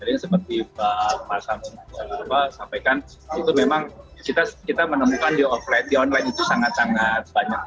jadi seperti pak marsha sampaikan itu memang kita menemukan di offline itu sangat sangat banyak